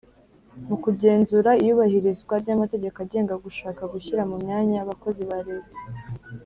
Mu kugenzura iyubahirizwa ry amategeko agenga gushaka gushyira mu myanya abakozi ba Leta